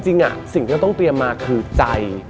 สิ่งที่เราต้องเตรียมมาคือใจ